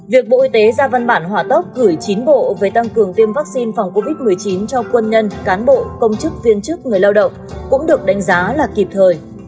việc bộ y tế ra văn bản hỏa tốc gửi chín bộ về tăng cường tiêm vaccine phòng covid một mươi chín cho quân nhân cán bộ công chức viên chức người lao động cũng được đánh giá là kịp thời